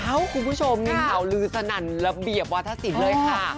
คุณผู้ชมมีข่าวลือสนั่นระเบียบวัฒนศิลป์เลยค่ะ